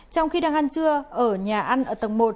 trong khi đang ăn trưa ở nhà ăn ở tầng một